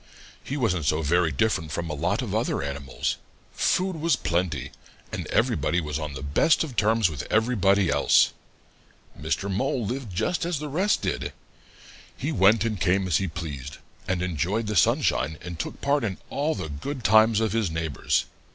He wasn't so very different from a lot of other animals. Food was plenty, and everybody was on the best of terms with everybody else. Mr. Mole lived just as the rest did. He went and came as he pleased, and enjoyed the sunshine and took part in all the good times of his neighbors.